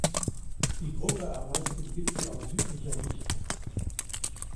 Die Gruppe erreicht den Gipfel aus südlicher Richtung.